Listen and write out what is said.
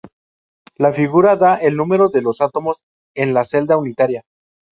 La figura da el número de los átomos en la celda unitaria.